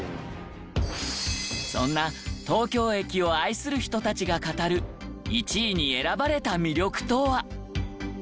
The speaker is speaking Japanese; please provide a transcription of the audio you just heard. そんな東京駅を愛する人たちが語る１位に選ばれた魅力とは。